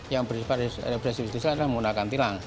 yang bersepat represif justicial adalah menggunakan tilang